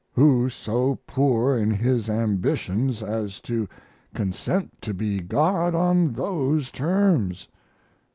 Who so poor in his ambitions as to consent to be God on those terms?